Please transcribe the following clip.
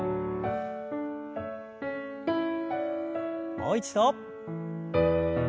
もう一度。